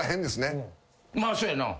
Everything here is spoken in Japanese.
まあそやな。